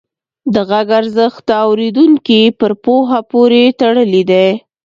د غږ ارزښت د اورېدونکي پر پوهه پورې تړلی دی.